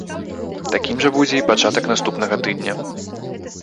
Такім жа будзе і пачатак наступнага тыдня.